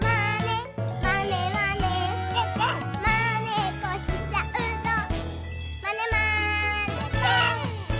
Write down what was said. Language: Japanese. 「まねっこしちゃうぞまねまねぽん！」